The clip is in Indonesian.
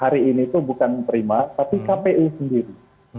hari ini itu bukan prima tapi kpu sendiri